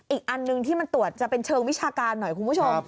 อีกอันหนึ่งที่มันตรวจจะเป็นเชิงวิชาการหน่อยคุณผู้ชม